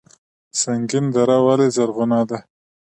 سنګین دره ولې زرغونه ده؟